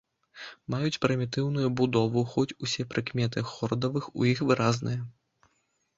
Маюць прымітыўную будову, хоць усе прыкметы хордавых у іх выразныя.